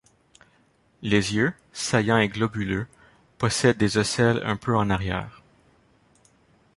Les yeux, saillants et globuleux, possèdent des ocelles un peu en arrière.